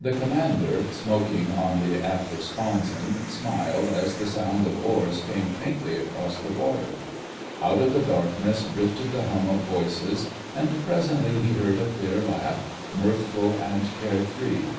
The Commander, smoking on the after sponson, smiled as the sound of oars came faintly across the water. Out of the darkness drifted the hum of voices, and presently he heard a clear laugh, mirthful and carefree.